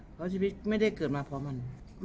เพราะชีวิตไม่ได้เกิดมาเพราะมัน